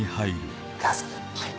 はい。